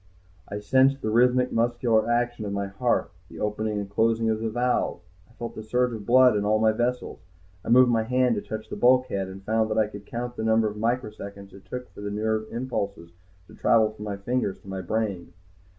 I sensed the rhythmic muscular action of my heart, the opening and closing of the valves. I felt the surge of blood in all my vessels. I moved my hand to touch the bulkhead, and found that I could count the number of microseconds it took for the nerve impulses to travel from my fingers to my brain.